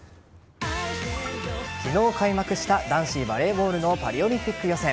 昨日開幕した男子バレーボールのパリオリンピック予選。